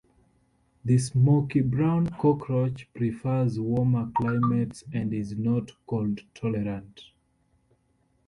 The smokybrown cockroach prefers warmer climates and is not cold-tolerant.